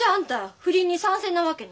不倫に賛成なわけね？